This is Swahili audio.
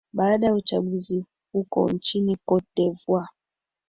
baada ya uchaguzi huko nchini cote de voire